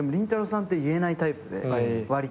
さんって言えないタイプでわりと。